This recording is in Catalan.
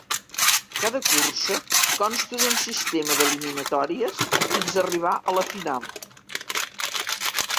Cada cursa consta d'un sistema d'eliminatòries fins a arribar a la final.